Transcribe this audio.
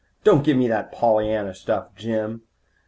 "Don't give me that Pollyanna stuff, Jim.